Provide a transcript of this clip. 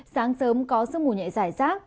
sáng sớm có sức ngủ nhẹ dài rác